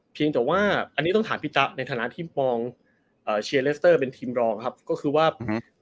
เพียงแต่ว่าอันนี้ต้องถามพี่จักรในฐานะที่มองเอ่อเป็นทีมรองครับก็คือว่าอืม